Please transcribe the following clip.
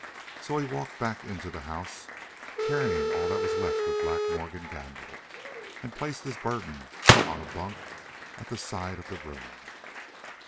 So he walked back into the house carrying all that was left of Black Morgan Gandil, and placed his burden on a bunk at the side of the room.